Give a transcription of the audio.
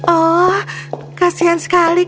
oh kasihan sekali